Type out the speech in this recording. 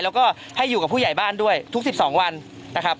แล้วก็ให้อยู่กับผู้ใหญ่บ้านด้วยทุก๑๒วันนะครับ